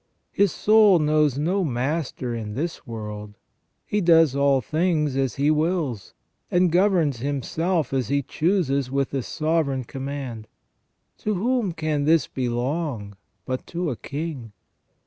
His soul knows no master in this world ; he does all things as he w^ills, and governs himself as he chooses with a sovereign com mand. To whom can this belong but to a king